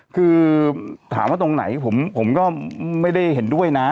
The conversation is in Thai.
คือถามว่าตรงไหนผมก็ไม่ได้เห็นด้วยนะ